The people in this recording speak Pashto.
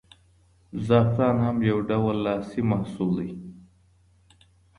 زعفران هم یو ډول لاسي محصول دی.